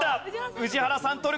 宇治原さん取るか